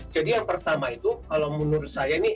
jadi yang pertama itu kalau menurut saya ini